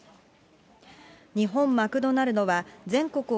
日本マクドナルドは、全国